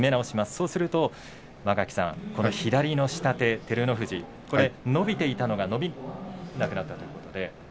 そうすると左の下手、照ノ富士伸びていたのが伸びなくなったということで。